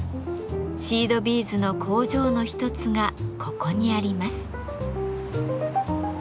シードビーズの工場の一つがここにあります。